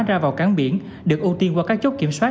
ra vào cảng biển được ưu tiên qua các chốt kiểm soát